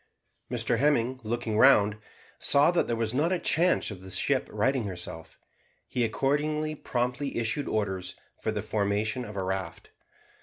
Mr Hemming, looking round, saw that there was not a chance of the ship righting herself. He accordingly promptly issued orders for the formation of a raft.